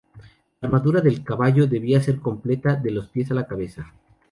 La armadura del caballero debía ser completa, de los pies a la cabeza.